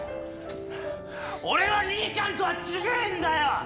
俺は兄ちゃんとは違えんだよ！